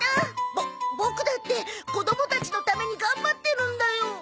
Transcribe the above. ボボクだって子供たちのために頑張っているんだよ。